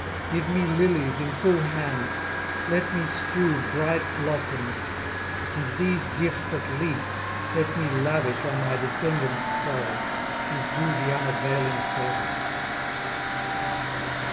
Give me lilies in full hands; let me strew bright blossoms, and these gifts at least let me lavish on my descendant's soul, and do the unavailing service.'